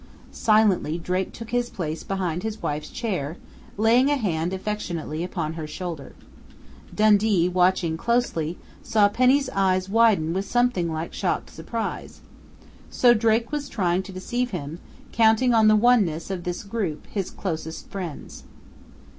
Silently Drake took his place behind his wife's chair, laying a hand affectionately upon her shoulder. Dundee, watching closely, saw Penny's eyes widen with something like shocked surprise. So Drake was trying to deceive him, counting on the oneness of this group, his closest friends!